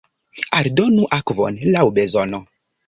Aldonu akvon laŭ bezono.